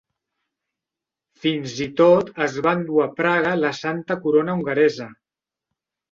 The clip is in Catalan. Fins i tot es va endur a Praga la Santa Corona hongaresa.